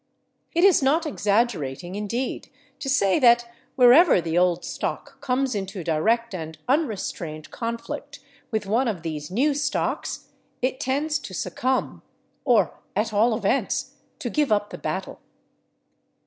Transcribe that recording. It is not exaggerating, indeed, to say that wherever the old stock comes into direct and unrestrained conflict with one of these new stocks, it tends to succumb, or, at all events, to give up the battle.